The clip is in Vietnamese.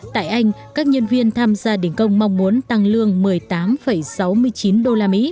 tại anh các nhân viên tham gia đình công mong muốn tăng lương một mươi tám sáu mươi chín usd